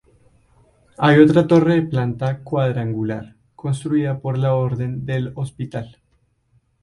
Hay otra torre de planta cuadrangular, construida por la Orden del Hospital.